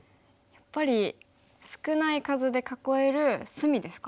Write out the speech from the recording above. やっぱり少ない数で囲える隅ですか？